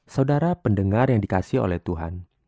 saudara pendengar yang dikasih oleh tuhan